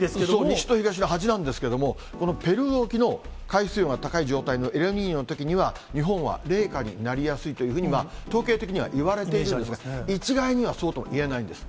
西と東の端なんですけど、このペルー沖の海水温が高い状態のエルニーニョのときには、日本は冷夏になりやすいというふうに、統計的にはいわれていますが、一概にはそうとは言えないんです。